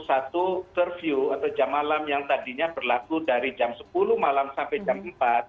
satu curfew atau jam malam yang tadinya berlaku dari jam sepuluh malam sampai jam empat